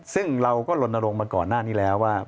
ซึ่งเราก็ลนโรงมาก่อนหน้านี้แล้วว่า